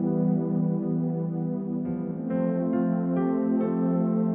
wilayahmu bingung ke sejujurnya